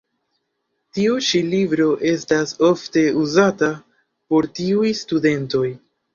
Tiu ĉi libro estas ofte uzata por tiuj studentoj.